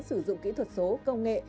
sử dụng kỹ thuật số công nghệ